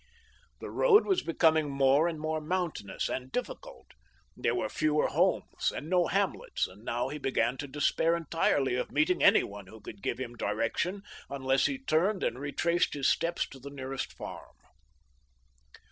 The road was becoming more and more mountainous and difficult. There were fewer homes and no hamlets, and now he began to despair entirely of meeting any who could give him direction unless he turned and retraced his steps to the nearest farm.